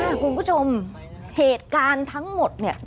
น่ากลุงผู้ชมเหตุการณ์ทั้งหมดเลยนะครับ